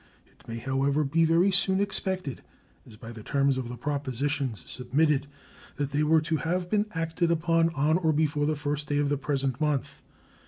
It may, however, be very soon expected, as, by the terms of the propositions submitted they were to have been acted upon on or before the first day of the present month.